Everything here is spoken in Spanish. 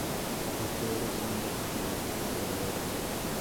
Sus padres son de Bangalore.